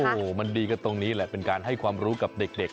โอ้โหมันดีกันตรงนี้แหละเป็นการให้ความรู้กับเด็ก